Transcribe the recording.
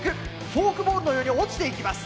フォークボールのように落ちていきます。